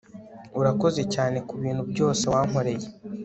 urakoze cyane kubintu byose wankoreye